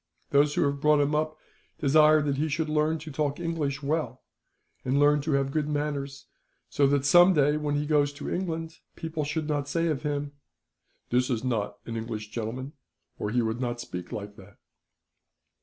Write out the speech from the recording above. Those who have brought him up desire that he should learn to talk English well, and learn to have good manners, so that some day, when he goes to England, people should not say of him: "'"This is not an English gentleman, or he would not speak like that."'